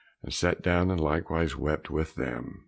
and sat down, and likewise wept with them.